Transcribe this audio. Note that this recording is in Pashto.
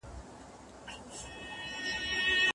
استاد د شاګرد تېروتني په ګوته کوي.